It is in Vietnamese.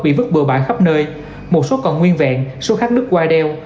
bị vứt bừa bãi khắp nơi một số còn nguyên vẹn số khác đứt qua đeo